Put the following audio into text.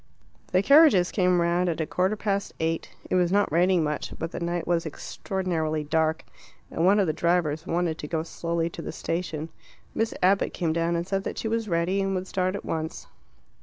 The carriages came round at a quarter past eight. It was not raining much, but the night was extraordinarily dark, and one of the drivers wanted to go slowly to the station. Miss Abbott came down and said that she was ready, and would start at once.